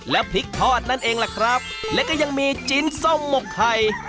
และพริกทอดนั่นเองล่ะครับและก็ยังมีจิ้นส้มหมกไข่